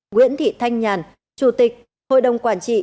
nguyễn thị thanh nhàn chủ tịch hội đồng quản trị